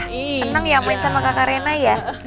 seneng ya main sama kakak rena ya